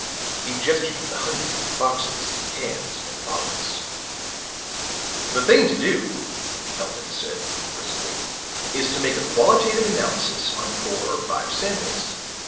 He gestured at the hundreds of boxes, cans and bottles. "The thing to do," Hellman said briskly, "is to make a qualitative analysis on four or five samples.